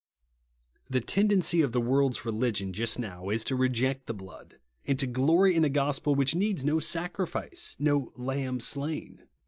The tendency of the world's religion just now is, to reject the blood ; and to glory in a gospel which needs no sacrifice, no "Lamb slain."